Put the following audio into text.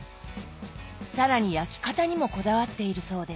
更に焼き方にもこだわっているそうです。